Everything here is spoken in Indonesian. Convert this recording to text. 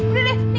eh udah deh